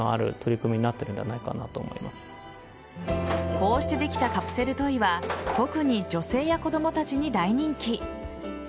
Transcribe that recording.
こうしてできたカプセルトイは特に女性や子供たちに大人気。